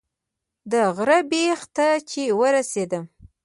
د غره بیخ ته چې ورسېدم.